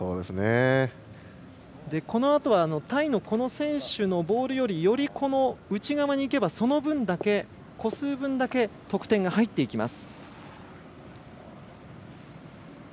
このあとはタイの選手のボールより内側にいけばその個数分だけ得点が入っていきます。